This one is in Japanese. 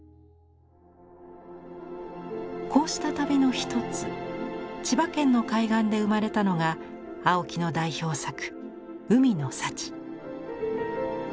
こうした旅の一つ千葉県の海岸で生まれたのが青木の代表作